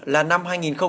là năm hai nghìn sáu